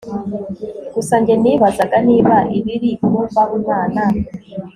gusa njye nibazaga Niba ibiri kumbaho Imana